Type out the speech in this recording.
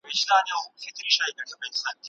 د پښتو ټایپنګ دود کړئ.